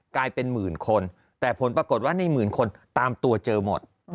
กลายเป็นหมื่นคนแต่ผลปรากฏว่าในหมื่นคนตามตัวเจอหมด